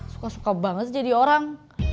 suka suka banget jadi orang